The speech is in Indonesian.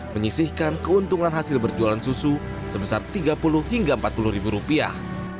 menyisihkan keuntungan hasil berjualan susu sebesar tiga puluh hingga empat puluh ribu rupiah